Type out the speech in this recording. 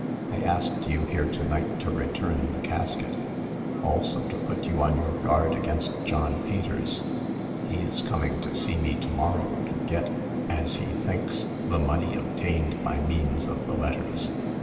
I asked you here to night to return the casket ; also to put you on your guard against John Peters. He is coming to see me to mor row, to get— as he thinks— the money obtained by means of the letters.